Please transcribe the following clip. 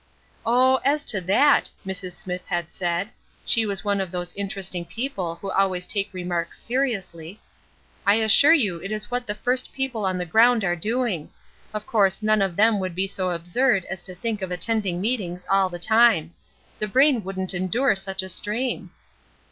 "Oh, as to that," Mrs. Smithe had said (she was one of those interesting people who always take remarks seriously), "I assure you it is what the first people on the ground are doing. Of course none of them would be so absurd as to think of attending meetings all the time. The brain wouldn't endure such a strain."